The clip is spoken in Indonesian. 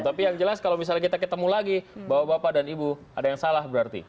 tapi yang jelas kalau misalnya kita ketemu lagi bahwa bapak dan ibu ada yang salah berarti